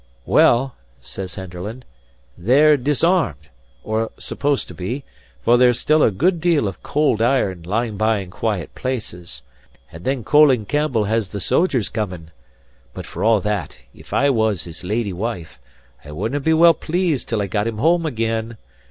"Well," says Henderland, "they're disarmed or supposed to be for there's still a good deal of cold iron lying by in quiet places. And then Colin Campbell has the sogers coming. But for all that, if I was his lady wife, I wouldnae be well pleased till I got him home again.